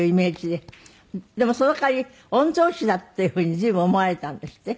でもその代わり御曹司だっていう風に随分思われたんですって？